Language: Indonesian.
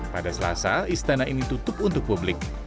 pada selasa istana ini tutup untuk publik